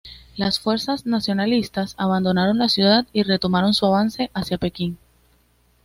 Las fuerzas nacionalistas abandonaron la ciudad y retomaron su avance hacia Pekín.